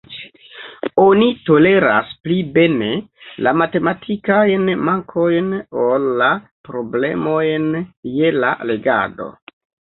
Oni toleras pli bene la matematikajn mankojn, ol la problemojn je la legado.